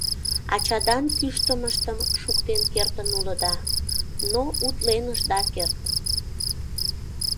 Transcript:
Ачадан кӱштымыштым шуктен кертын улыда, но утлен ышда керт...